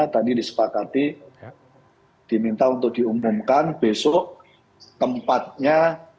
tadi disepakati diminta untuk diumumkan besok tempatnya